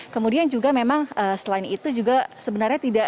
kemudian juga memang selain itu juga sebenarnya tidak